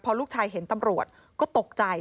พอลูกชายเห็นตำรวจก็ตกใจ